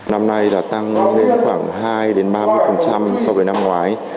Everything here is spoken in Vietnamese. năm nay đã tăng lên khoảng hai ba mươi so với năm ngoái